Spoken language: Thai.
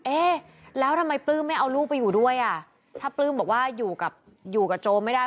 เอ๊ะแล้วทำไมปลื้มไม่เอาลูกไปอยู่ด้วยอ่ะถ้าปลื้มบอกว่าอยู่กับอยู่กับโจไม่ได้